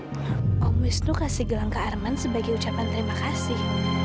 kok misnu kasih gelang ke arman sebagai ucapan terima kasih